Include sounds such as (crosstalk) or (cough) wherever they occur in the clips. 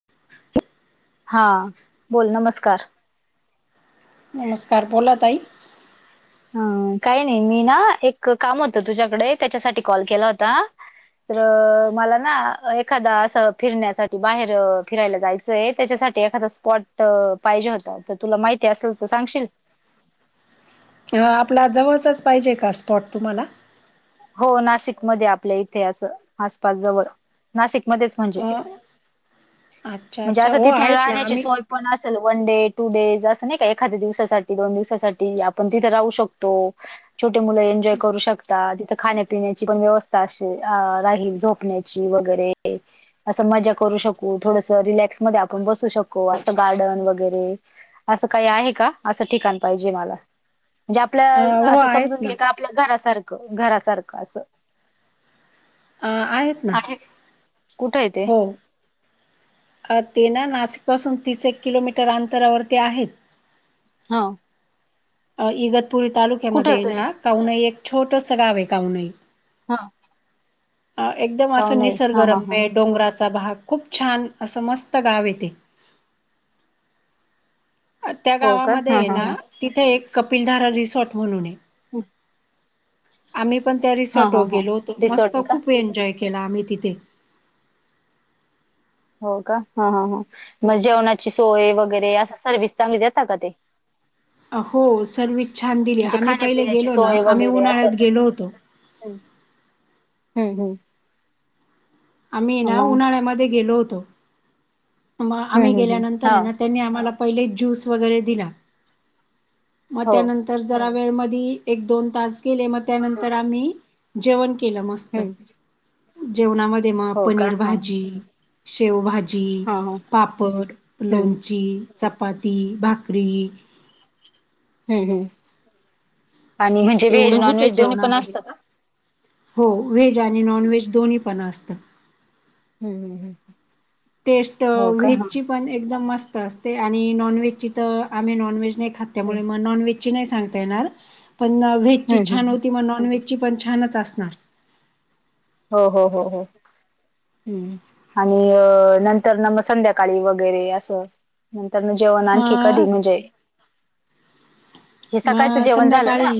(inaudible) हा. बोल, नमस्कार. नमस्कार. बोला, ताई. ह, काही नाही. मी ना, एक काम होतं, तुझ्याकडे. त्याच्यासाठी कॉल केला होता. तर मला ना. एखादा असं, फिरण्यासाठी. बाहेर फिरायला जायच चय. त्याच्यासाठी, एखादा स्पॉट पाहिजे होता. तर तुला माहिती असेल तर, सांगशील. ह, आपल्या जवळचच पाहिजे का? स्पॉट तुम्हाला. हो, नाशिकमध्ये. आपल्या इथे असं. आसपास जवळ. नाशिकमध्येच म्हणजे. अ अच्छा म्हणजे अच्छा असं, हो तिथे आहेत ना राहण्याची आम्ही सोय पण असेल. वन डे, टू डेज असं नाही का? एखाद्या दिवसासाठी, दोन दिवसासाठी. आपण तिथे राहू शकतो. छोटे मुलं, एन्जॉय करू शकतात. तर खाण्यापिण्याची पण व्यवस्था असे, राहील. झोपण्याची वगैरे. असं मजा करू शकू. थोडस, रिलॅक्समध्ये आपण बसू शकू. असं गार्डन वगैरे. असं काही आहे का? असं ठिकाण पाहिजे मला. म्हणजे अ आपल्या, हो असं आहेत समजू ना की, एका आपल्या घरासारखं. घरा सारखं, असं. अ आहेत ना. कुठंय, ते? हो अ ते ना, नाशिक पासून, तीस - एक किलोमीटर अंतरावरती आहेत. हाव. अ इगतपुरी कुठं तालुक्यामध्ये तरी? ना. कावनई, एक छोटस गावय, कावनई. हा. अ एकदम असं हां, हां, हां. निसर्गरम्य. डोंगराचा भाग. खूप छान. असं, मस्त गावय तेे. त्या हो का? हां, गावामध्येय हां, ना. हां. तिथे एक कपिलधारा रिसॉर्ट म्हणूनय. ह. आम्ही पण त्या रिसॉर्टवर हा गेलो होतोत. रिसॉर्ट मस्त आहे का खूप, एन्जॉय केला आम्ही तिथे. हो, का? ह, ह, ह. हो मग जेवणाची सोय वगैरे? असा सर्वि्स चांगली देता का ते? हो, सर्विस छान दिली. म्हणजे आम्ही पहिले खाण्यापिण्याची गेलो ना, आम्ही उन्हाळ्यात गेलो होतो. हम्. हम्म, हम्म. आम्ही ना, मग उन्हाळ्यामध्ये गेलो होतो. मग हम्म आम्ही हम्म हम्म हा गेल्यानंतरय ना, त्यांनी आम्हाला पहिले ज्यूस वगैरे दिला. मग हो त्यानंतर जरा वेळ मधी, एक- दोन तास गेले. मग, हम्म त्यानंतर आम्ही जेवण के केलं, मस्त हम्म. जेवणामध्ये मग हो का पनीर हा हा भाजी शेवभाजी, हा हम्म पापड, लोणची चपाती, भाकरी हम्, हम्. आणि म्हणजे व्हेज, एवढं होतं नॉनव्हेज दोन्ही पण, जेवणामध्ये असत का? हो. व्हेज आणि नॉनव्हेज, दोन्हीपण असतं. हम, हम. टेस्ट व्हेजची पण एकदम मस्त असते आणि नॉनव्हेजची तर आम्ही नॉनव्हेज नाही खात. हम्म त्यामुळे, नॉनव्हेजची नाही सांगता येणार. पण व्हेजची हम्म हम्म, छान हम्म. होती. मग नॉनव्हेज ची पण, छानच असणार. हो हो हो हो. हम्म आणि नंतर ना मग संध्याकाळी वगैरे असं. नंतरन जेवण आणखी मग कधी म्हणजे हे सकाळचं मग जेवण झालं ना. संध्याकाळी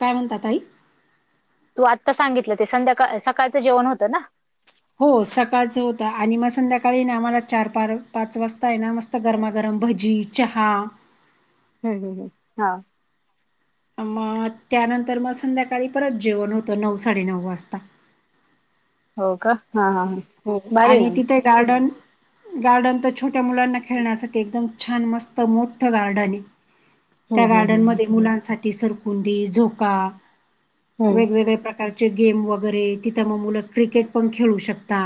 काय म्हणता ताई. तू आत्ता सांगितलं ते संध्याकाळ सकाळचं जेवण होतं ना? हो सकाळचं होतं. आणि मग संध्याकाळी आम्हाला चार पार पाच वाज ताये ना, मस्त गरमागरम भजी, चहा. हम्म हम्म हम्म हा. म त्यानंतर म संध्याकाळी परत जेवण होतं. नऊ साडेनऊ वाजता. हो का? हां हां हां. हो आणि तिथे गार्डन गार्डन त छोट्या मुलांना खेळण्यासाठी एकदम छान, मस्त, मोठं गार्डने. त्या हम्म हम्म गार्डन हम्म हम्म. मध्ये मुलांसाठी सरकुंडी, झोका. हम्म वेगवेगळ्या प्रकार गेम वगैरे. तिथं मग मुलं क्रिकेट पण खेळू शकता.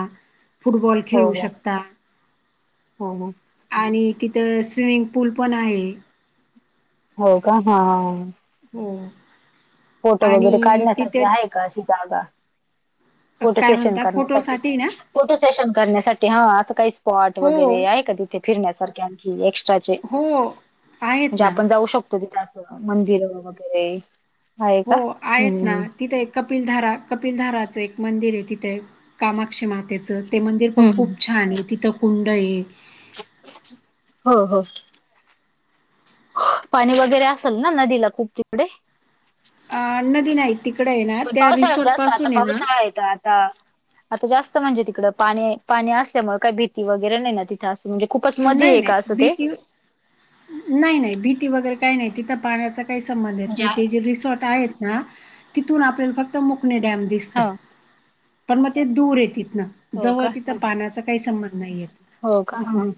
फुटबॉल हो खेळू हो शकता. हो हो आणि तिथं स्विमिंग पूल पण आहे. हो का? हा हा ह ह. हो. फोटो वगैरे आणि काढण्यासाठी आहे तिथेच का अशी जागा? फोटो काय सेशन म्हणता करण्यासाठी. फोटोसाठी ना फोटो सेशन करण्यासाठी हा असं काही स्पॉट हो वगैरे आहे का तिथ? फिरण्यासारखे आणखी एक्स्ट्राचे? हो आहेत म्हणजे ना आपण जाऊ शकतो. तिथं असं मंदिर वगैरे? आहे हो का? हम्म आहेत ना. हम्म. तिथं एक कपिनधारा, कपिनधाराचं एक मंदिरे तिथे. कामाक्षी मातेचं. ते मंदिर पण हम्म खूप छाने. तिथं कुंडये. हो हो. पाणी वगैरे असेल ना, नदीला खूप तिकडे? अ नदी नाही. तिकडयना पण त्या पावसाळ्यात रिसॉर्ट जास्त पासूने ना पावसाळा आहे आता आता आता जास्त म्हणजे तिकड पाणी पाणी असल्यामुळे काही भीती वगैरे नाही ना? ती थ. असं म्हणजे खूपच नाही, मधीय नाही. का? असं ते? भीती नाही नाही भीती वगैरे काही नाही. तिथं पाण्याचा काही संबंध येत म्हणजे नाही. ते जे रिसॉर्ट आहेत. हा तिथून आपल्याला फक्त मोकणे डॅम दिसत. हा पण मग ते दूरे तीथन. हो जवळ का तिथं पाण्याचा काही संबंध नाहीयेत. हो का? ह.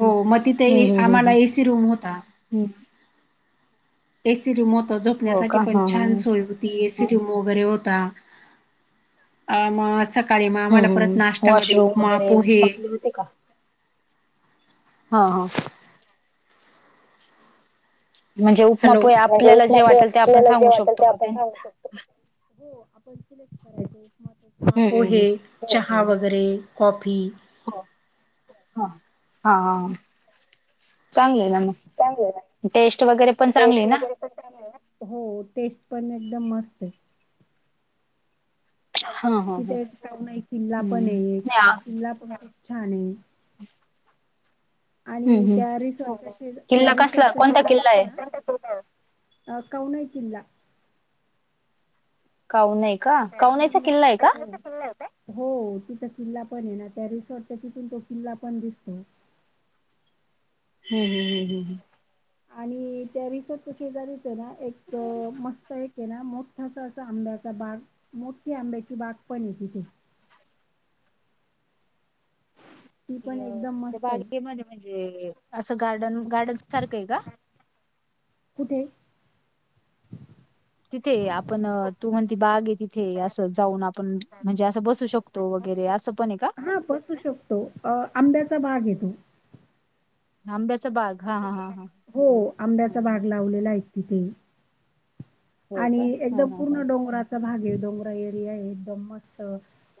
हो म हम्म हम्म हम्म हम्म. हम्म. ए सी रुम होत. हो का जोपण्यासाठी पण हा हा छान सोय होती एसी हा. रुम वगैरे होता. अ म सक काळी म हम्म आम्हाला परत हम्म नाश्त्यामध्ये वॉशरूम उपमा वगैरे पोहे. चांगले होते का? हा ह. म्हणजे उपमा हॅलो. पोहे म्हणजे आपल्याला उपमा जे पोहे, वाटेल ते आपण आपल्याला जे सांगू वाटेल शकतो ते का आपण सांगू शकतो. हो आपण सिलेक्ट करायचे. उपमा हम्म हम्म हम्म पोहे. चहा वगैरे कॉफी. हो हा हा हा, चांगलं आहे ना मग. टेस्ट वगैरे पण चांगली ना. हो टेस्ट पण एकदम मस्त आहे. हा हा हा तिथे एकऊन आहे किल्ला पण हम्म आहे तो किल्ला पण खूप छान आहे. ''हं '' आणि त्या रिसॉर्टच्या शेजा त्या किल्ला कसला रिसर्च कोणता रिसॉर्टच्या किल्ला आहे शेजारी ना. अ काहून हाय किल्ला. कवना आहे का कवनाचा आणि किल्ला आहे का. हो तिथं किल्ला पण आहे ना त्या रिसॉर्ट तिथून तो किल्ला पण दिसतो. हो हो हो हो हो हो, आणि त्या रिसॉर्टच्या शेजारी तर ना एक मस्त एक. तेना मोठासा अस आंब्याचा बाग मोठी आंब्याची बाग पण येतिथे. ती पण अ एकदम त्या मस्त आहे. बागेमध्ये म्हणजे असं गार्डन गार्डन सारखं आहे का. कुठे. तिथे आपण तू म्हणती बाग आहे तिथे असं जाऊन आपण म्हणजे असं बसू शकतो. तो वगैरे असं पण आहे का. हा बसू शकतो. तो अ आंब्याचा भाग येतो. आंब्याचा भाग. हो आंब्याचा भाग लावलेला आहे तिथे. हो आणि का हा एकदम हा हा पूर्ण डोंगराचा भाग आहे डोंगरा एरिया आहे एकदम मस्त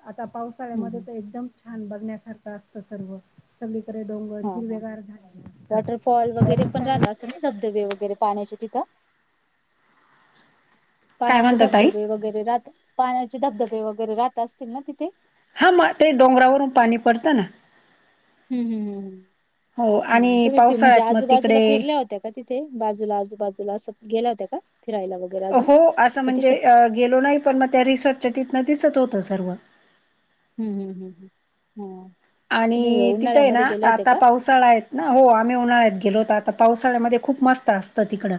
आता पाऊस. हम्म तळ्यामध्ये हम्म. तर एकदम छान बघण्यासारखं असत सर्व. सगळीकडे डोंगर हा हा हा हिरवेगार झाले असतात. रा धबधबे वगैरे पाण्याचे तिथं. काय पाण्याचे म्हणता ताई? धबधबे वगैरे राहत पाण्याचे धबधबे वगैरे राहत असतील ना तिथे. हा म ते डोंगरावरून पाणी पडतं ना. हम् हम् हो हम् हम् आणि तुम्ही फि म्हणजे पावसाळ्यात मग आजूबाजूला तिकडे फिरल्या होत्या. का तिथे बाजूला आजूबाजूला अस गेल्या होत्या का फिरायला बघ. हो असं म्हणजे गेलो अ नाही पण मग त्या रिसॉर्टच्या तिथनं दिसत होतं सर्व. हम्म हम्म हम्म हा, तुम्ही आणि तिथं आहे ना उन्हाळ्यामध्ये गेले होते आता का? पाऊस. तळ आहेत ना हो आम्ही उन्हाळ्यात गेलो होत आता पावसाळ्यामध्ये खूप मस्त असतं तिकडं.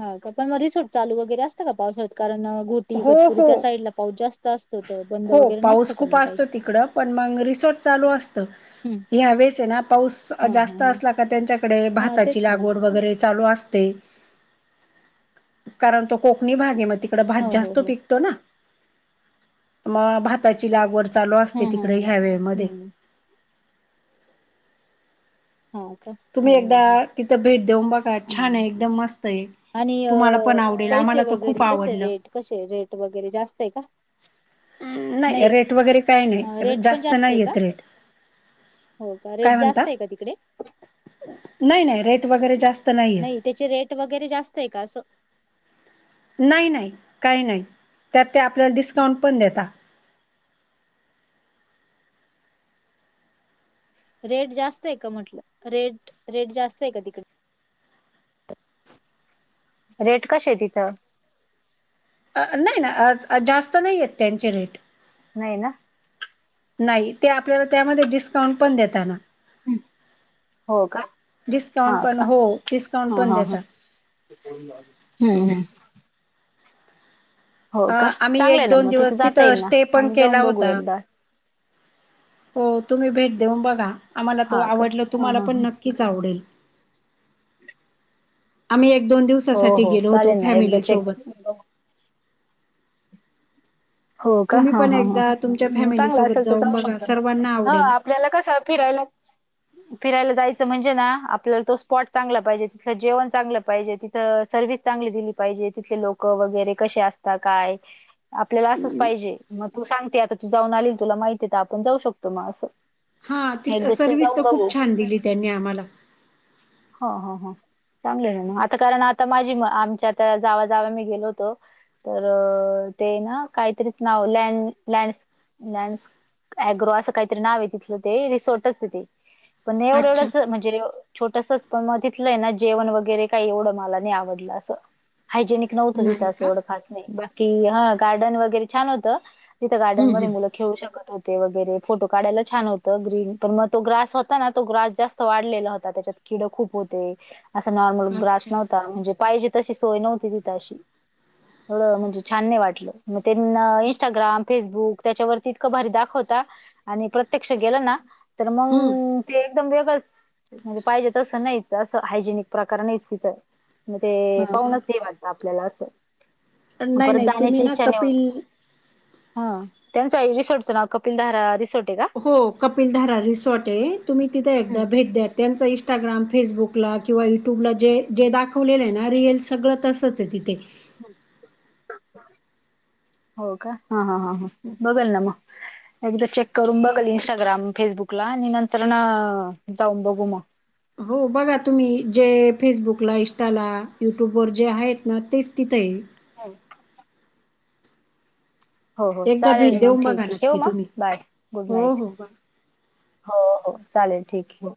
हा का पण मग सुट चालू वगैरे असत का पावसळात कारण गुत ''--'' हो गतपुरी हो त्या साईड ला पाऊस जास्त असतो तर बंद हो वगैरे नसतं पाऊस का खूप मग काही. असतो तिकडं पण मग रिसॉर्ट चालू असतं. हम्म ह्या वेळेस आहे ना पाऊस हा हा जास्त हा. असला का त्यांच्याकडे हा भाताची तेच ना मग लागवड वगैरे चालू असते. कारण तो कोकणी भागे मग तिकडे बा ''--'' हो हो जास्त हो पिकतो ना मग भाताची लागवड. चालू असते हम्म तिकडे हम्म ह्यावेे हम्म मध्ये. हम्म हो का, हा तुम्ही एकदा हा हा. तिथं भेट देऊन बघा छान हम्म आहे एकदम मस्त आहे. आणि अ तुम्हाला पण आवडेल पैसे आम्हाला तर खूप वगैरे कसे आवडल. रेट कसे रेट वगैरे जास्त आहे का. हम् नाही रेट वगैरे काही नाही रेट पण जास्त आहे नाही का? येत रेट. हो का रेट काय म्हणता जास्त आहे का तिकडे. नाही नाही रेट वगैरे जास्त नाहीयेत. त्याची रेट वगैरे जास्त आहे का असं. नाही नाही काही नाही त्यात ते आपल्याला डिस्काउंट पण देतात. रेट जास्त आहे का म्हटलं रेट रेट जास्त आहे का तिकड रेट कश आहे तिथं. नाही ना जास्त नाहीयेत त्यांचे रेट. नाही ना. नाही ते आपल्याला त्यामध्ये डिस्काउंट पण देताना. हो का डिस्काउंट हा पण का हो डिस्काउंट पण देतात. हम्म हम्म. हो का आम्ही चांगलंय एक ना दोन मग दिवस तिथं जाता येईल ना स्टे पण आम्ही जाऊन केला बघू होता. एकदा हो तुम्ही भेट देऊन बघा आम्हाला तो हा का आवडल हा तुम्हाला हा पण नक्कीच आवडेल. ह. आम्ही एक दोन हो दिवसासाठी हो गेलो होतो चालेल ना एकदा फॅमिली चेक सोबत. हो का तुम्ही ह पण ह एकदा तुमच्या ह फॅमिली चांगला सोबत असेल तर जाऊन जाऊ बघा शकत सर्वांना आवडेल. ह. जला कसं फिरायला फिरायला जायचं म्हणजे ना आपल्याला तो स्पॉट चांगला पाहिजे. तिथलं जेवण चांगलं पाहिजे. तर सर्वविस चांगली दिली पाहिजे. तिथले लोक वगैरे कसे असतात काय. आपल्याला असंच पाहिजे मग तू सांगते आता तू जाऊन आलील तुला माहिती आहे तर आपण जाऊ शकतो मग असं. हा तिथ एकदाची सर्विस तर खूप छान दिली त्यांनी आम्हाला. हा हा हा. चांगले आहे आता कारण आता माझी म आमच्या आता जाव जाव मी गेलो होतो. तर ते ना काहीतरीच नाव लड लँड लँड अग्रो असं काहीतरी नाव आहे तिथलं ते रिसॉर्टच आहे ते पण एवढं अच्छा एवढं म्हणजे छोटसच पण मग तिथलंय ना जेवण वगैरे काही एवढं मला नाही आवडलं अस हायजेनिक व्हत तिथ नाही का खास नाही बाकी हा गार्डन वगैरे छान होतं तिथं गार्डन हम्म म मुला हम्म खेळू शकत होते वगैरे फोटो काढायला छान होत ग्रीन पण मग तो ग्रास होता ना तो ग्रास जास्त वाढलेला होता त्याच्यात किड खूप होते असा नॉर्मल ग्रास अच्छा नव्हता म्हणजे पाजे तशी सोय नव्हती तिथ अशी एवढं म्हणजे छान नाही वाटलं मग त्यांना इस्टाग्राम फेसबुक त्याच्यावरती इतकं भारी दाखवता आणि प्रत्यक्ष गेलं ना. तर हम्म मग ते एकदम वेगळंच म्हणजे पाहिजे तसं नाही. ं हायजेनिक प्रकार नाही तिथं म ते ह पाहुणच हे वाटत आपल्याला असं नाही परत नाही तुम्ही जाण्याची ना इच्छा नाही कपिल होत हा त्यांचचा रिसॉर्टच नाव कपिल दारा रिसोर्ट. हो कपिल धारा रिसॉर्ट आहे तुम्ही तिथे एकदा हम्म. भेट द्या. त्यांच इंस्टाग्राम फेसबुकला किंवा युट्यूबला जे जे दाखवलेलं आहे ना रीलस सगळं तस सच तिथे. हो का हा हा हा हा बघल ना म. ह. एकदा चेक करून बघाल इं्स्टाग्राम फेसबुकला आणि नंतर ना जाऊन बघू मग. हो बघा तुम्ही जे फेसबुकला इंस्टाला युट्यूबवर जे आहेत ना तेच तिथेही. हो. हो हो एकदा चालेल भेट मग देऊन बघा ठीक आहे ठेव नक्की मग तुम्ही. बाय गुड हो, नाईट. हो. बाय. हो हो चालेल ठीक आहे.